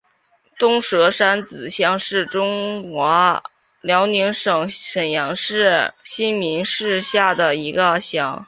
东蛇山子乡是中国辽宁省沈阳市新民市下辖的一个乡。